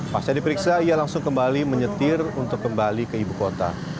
pasnya diperiksa ia langsung kembali menyetir untuk kembali ke ibu kota